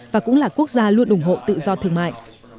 và cũng là quốc gia luôn ủng hộ tự do thương mại